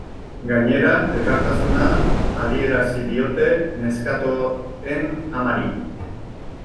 Gainera, elkartasuna adierazi diote neskatoen amari.